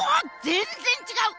全然違う！